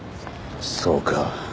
そうか。